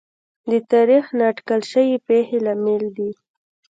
د تاریخ نااټکل شوې پېښې لامل دي.